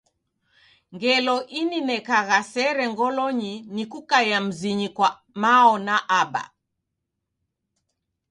Ngelo ininekagha sere ngolonyi ni kukaia mzinyi kwa mao na aba.